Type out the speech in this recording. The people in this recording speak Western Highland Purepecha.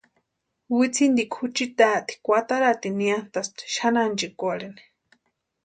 Witsintikwa juchi taati kwataratini niantʼaspti xani ánchikwarhini.